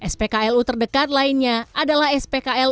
spklu terdekat lainnya adalah spklu